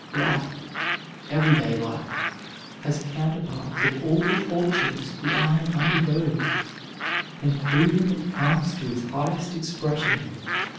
Life, everyday life, has counterparts of all the tortures the iron undergoes, and through them it comes to its highest expression.